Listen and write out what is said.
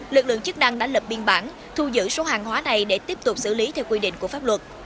lực lượng chức năng đã lập biên bản thu giữ số hàng hóa này để tiếp tục xử lý theo quy định của pháp luật